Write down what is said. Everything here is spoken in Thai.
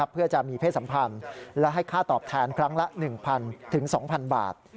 เพื่อจะมีเพศสัมพันธ์และให้ค่าตอบแทนครั้งละ๑๐๐๒๐๐บาท